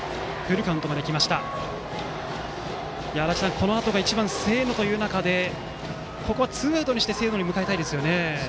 このあとが１番の清野という中でここはツーアウトにして清野を迎えたいですよね。